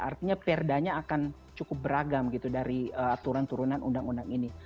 artinya perdanya akan cukup beragam gitu dari aturan turunan undang undang ini